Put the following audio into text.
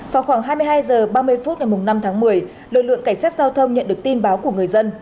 vào khoảng hai mươi hai h ba mươi phút ngày năm tháng một mươi lực lượng cảnh sát giao thông nhận được tin báo của người dân